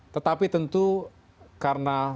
tetapi tentu karena